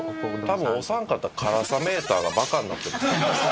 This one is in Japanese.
多分お三方辛さメーターがバカになってます。